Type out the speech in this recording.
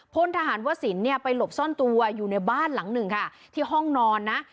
พลทหารวสินเนี่ยไปหลบซ่อนตัวอยู่ในบ้านหลังหนึ่งค่ะที่ห้องนอนนะ